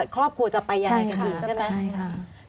ครอบครัวจะไปอย่างไรกันอีกใช่ไหมใช่ค่ะ